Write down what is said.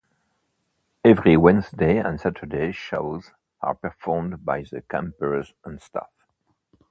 Every Wednesday and Saturday shows are performed by the campers and staff.